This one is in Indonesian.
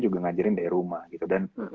juga ngajarin dari rumah gitu dan